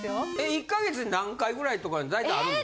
１か月に何回ぐらいとか大体あるんですか？